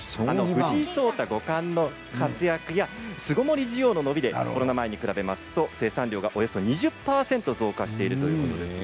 藤井聡太５冠の活躍や巣ごもり需要の伸びでコロナ前に比べますと生産量がおよそ２０％増加しているということです。